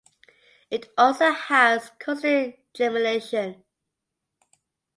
It also has consonant gemination.